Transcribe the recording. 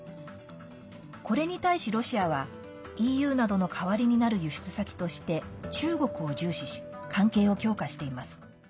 これに対しロシアはＥＵなどの代わりになる輸出先として、中国を重視し関係を強化しています。